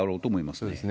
そうですね。